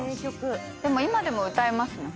でも今でも歌えますね。